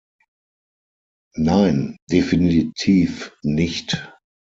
Nein, definitiv nicht.